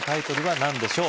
何でしょう